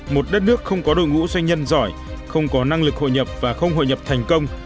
một đất nước không có đội ngũ doanh nhân giỏi không có năng lực hội nhập và không hội nhập thành công